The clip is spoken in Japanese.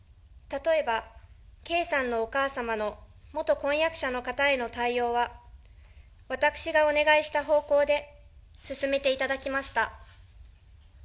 例えば、圭さんのお母様の元婚約者の方への対応は、私がお願いした方向で進めていただきました。